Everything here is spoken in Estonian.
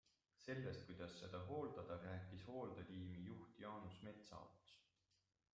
Sellest, kuidas seda hooldada, rääkis hooldetiimi juht Jaanus Metsaots.